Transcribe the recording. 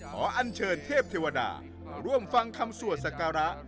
อันเชิญเทพเทวดามาร่วมฟังคำสวดสักการะ